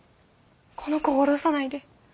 この子を堕ろさないで。